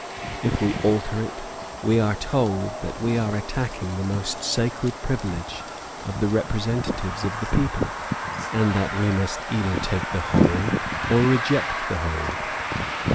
If we alter it, we are told that we are attacking the most sacred privilege of the representatives of the people, and that we must either take the whole or reject the whole.